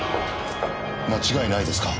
間違いないですか？